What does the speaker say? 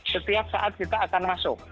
setiap saat kita akan masuk